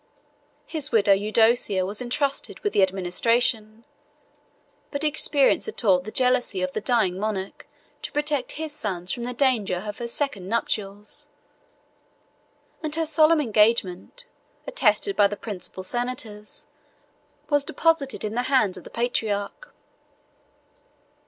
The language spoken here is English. His widow, Eudocia, was intrusted with the administration; but experience had taught the jealousy of the dying monarch to protect his sons from the danger of her second nuptials; and her solemn engagement, attested by the principal senators, was deposited in the hands of the patriarch.